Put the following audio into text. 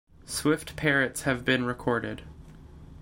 Swift parrots have been recorded.